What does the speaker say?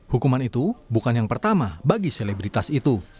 hukuman itu bukan yang pertama bagi selebritas itu